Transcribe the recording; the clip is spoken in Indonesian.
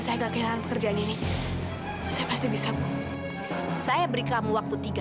sampai jumpa di video selanjutnya